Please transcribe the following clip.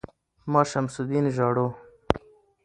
ـ ما شمس الدين ژاړو